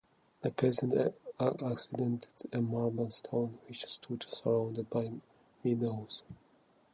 A peasant ascended a marble stone which stood surrounded by meadows.